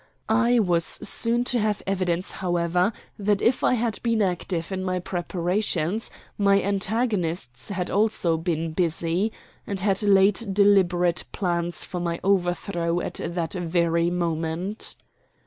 I was soon to have evidence, however, that if I had been active in my preparations my antagonists had also been busy, and had laid deliberate plans for my overthrow at that very moment.